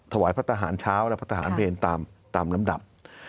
ถวายพระทหารเช้าและพระทหารเพลตามลำดับ